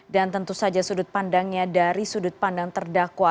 dan tentu saja sudut pandangnya dari sudut pandang terdakwa